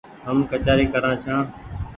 هم ڪچآري ڪرآن ڇآن ۔